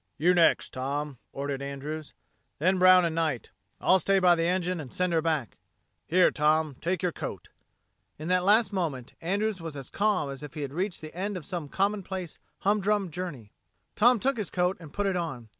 "You next, Tom," ordered Andrews. "Then Brown and Knight. I'll stay by the engine and send her back. Here, Tom, take your coat." In that last moment, Andrews was as calm as if he had reached the end of some commonplace, humdrum journey. Tom took his coat and put it on.